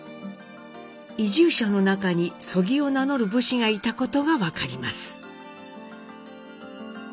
移住者の中に曽木を名乗る武士がいたことが分かります。